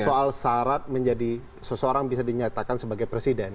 soal syarat menjadi seseorang bisa dinyatakan sebagai presiden